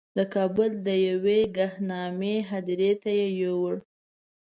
د کابل یوې ګمنامې هدیرې ته یې یووړ.